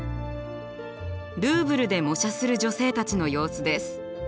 ルーヴルで模写する女性たちの様子です。